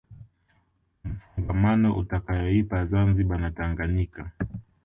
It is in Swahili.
mfungamano utakayoipa Zanzibar na Tanganyika